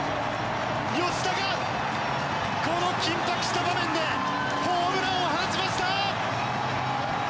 吉田がこの緊迫した場面でホームランを放ちました！